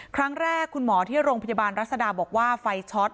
คุณหมอที่โรงพยาบาลรัศดาบอกว่าไฟช็อต